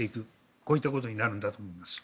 こういったことになるんだと思います。